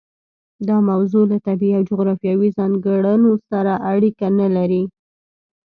دا موضوع له طبیعي او جغرافیوي ځانګړنو سره اړیکه نه لري.